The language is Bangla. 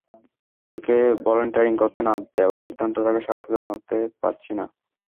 আমাকে ভলান্টিয়ারিং করতে না দেওয়ার সিদ্ধান্তটাকে স্বাগত জানাতে পারছি না!